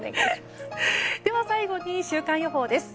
最後に週間予報です。